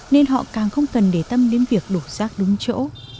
nên họ càng không cần để tâm đến việc đổ rác đúng chỗ